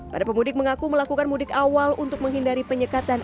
para pemudik mengaku melakukan mudik awal untuk menghindari penyekatan